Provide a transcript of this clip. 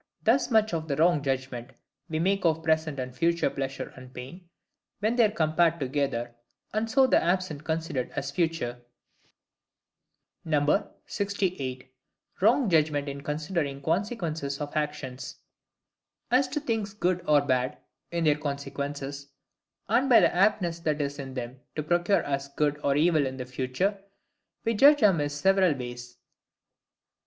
Thus much of the wrong judgment we make of present and future pleasure and pain, when they are compared together, and so the absent considered as future. 68. Wrong judgment in considering Consequences of Actions. (II). As to THINGS GOOD OR BAD IN THEIR CONSEQUENCES, and by the aptness that is in them to procure us good or evil in the future, we judge amiss several ways.